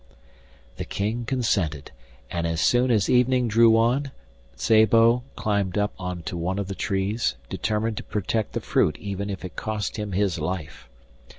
The King consented, and as soon as evening drew on Szabo climbed up on to one of the trees, determined to protect the fruit even if it cost him his life.